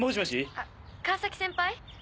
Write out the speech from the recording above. あ川崎先輩？